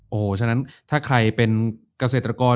โอ้โหฉะนั้นถ้าใครเป็นเกษตรกร